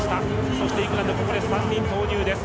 そしてイングランドは３人の投入です。